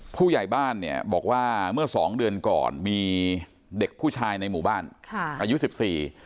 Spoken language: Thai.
ผู้ใหญ่บ้านเนี่ยบอกว่าเมื่อสองเดือนก่อนมีเด็กผู้ชายในหมู่บ้านค่ะอายุสิบสี่